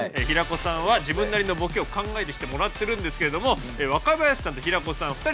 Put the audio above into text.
平子さんは自分なりのボケを考えてきてもらってるんですけれども若林さんと平子さん